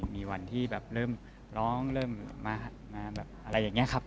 มีวันที่แบบเริ่มร้องเริ่มมาแบบอะไรอย่างนี้ครับ